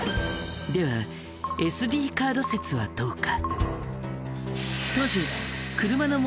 ではＳＤカード説はどうか。